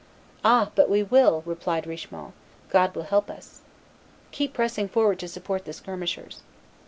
"Ah! but we will," replied Richemont; "God will help us. Keep pressing forward to support the skirmishers."